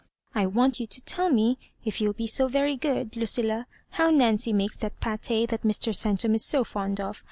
I want you to tell me, if you'll be so very good, Lucilla, how Nancy makes that pate that Mr. Centum is so fond of.